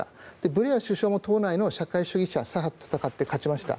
ブレア首相も党内の社会主義者左派と戦って勝ちました。